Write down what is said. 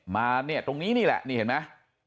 มาเนี่ยตรงนี้นี่แหละนี่เห็นไหม